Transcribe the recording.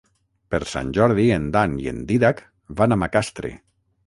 Per Sant Jordi en Dan i en Dídac van a Macastre.